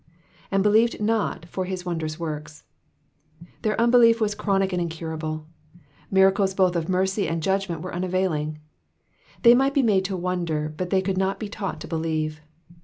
''"And believed not for his wondrous works,'*'* Their unbelief was chronic and incurable. Miracles both of mercy and judg ment were unavailing. They mi^ht be made to wonder, but they could not be taught to believe.